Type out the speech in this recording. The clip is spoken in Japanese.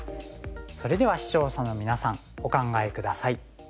それでは視聴者のみなさんお考え下さい。